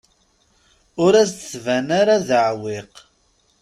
Ur as-d-tban ara d aɛewwiq.